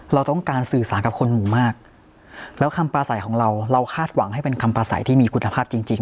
เราต้องการสื่อสารกับคนหมู่มากแล้วคำปลาใสของเราเราคาดหวังให้เป็นคำปลาใสที่มีคุณภาพจริงจริง